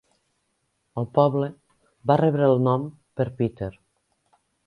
El poble va rebre el nom per Peter.